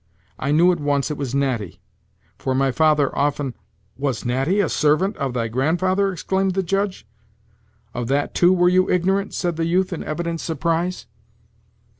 I knew at once it was Natty, for my father often " "Was Natty a servant of thy grandfather?" exclaimed the Judge. "Of that too were you ignorant?" said the youth in evident surprise.